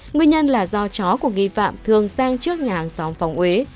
nguyên nhân là do chó của nghi phạm thường sang trước nhà hàng xóm phòng ế